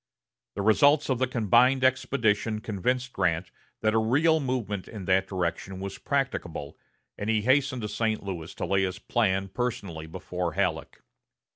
The results of the combined expedition convinced Grant that a real movement in that direction was practicable, and he hastened to St. Louis to lay his plan personally before Halleck.